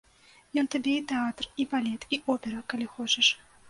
Ён табе і тэатр, і балет, і опера, калі хочаш.